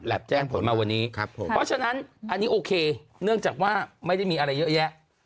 แจ้งผลมาวันนี้ครับผมเพราะฉะนั้นอันนี้โอเคเนื่องจากว่าไม่ได้มีอะไรเยอะแยะ